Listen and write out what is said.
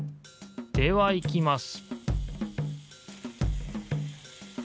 では行きます